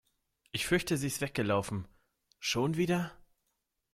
Ich fürchte sie ist weggelaufen. Schon wieder?